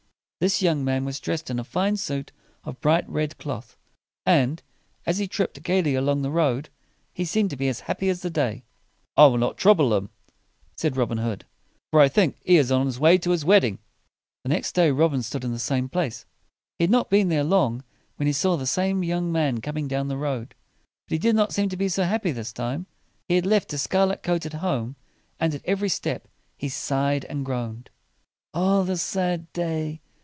This young man was dressed in a fine suit of bright red cloth; and, as he tripped gayly along the road, he seemed to be as happy as the day. "I will not trou ble him," said Robin Hood, "for I think he is on his way to his wedding." The next day Robin stood in the same place. He had not been there long when he saw the same young man coming down the road. But he did not seem to be so happy this time. He had left his scarlet coat at home, and at every step he sighed and groaned. "Ah the sad day!